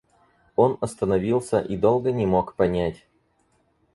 Он остановился и долго не мог понять.